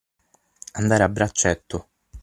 Andare a braccetto.